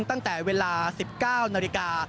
ตั้งแต่เวลา๑๙นาฬิกา